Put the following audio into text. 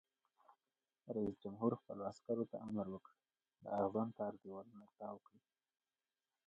رئیس جمهور خپلو عسکرو ته امر وکړ؛ د اغزن تار دیوالونه تاو کړئ!